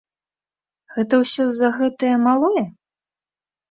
Гэта ўсё з-за гэтае малое?